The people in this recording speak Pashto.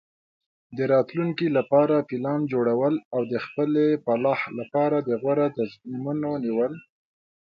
د راتلونکي لپاره پلان جوړول او د خپلې فلاح لپاره د غوره تصمیمونو نیول.